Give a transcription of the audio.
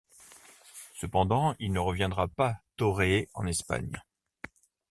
Cependant, il ne reviendra pas toréer en Espagne.